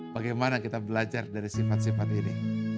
bagaimana kita belajar dari sifat sifat ini